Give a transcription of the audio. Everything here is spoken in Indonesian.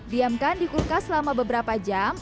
diamkan di kulkas selama beberapa jam